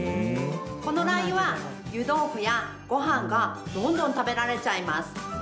このラー油は湯豆腐やごはんがどんどん食べられちゃいます。